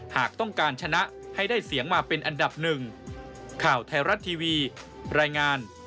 หากต้องการชนะให้ได้เสียงมาเป็นอันดับหนึ่ง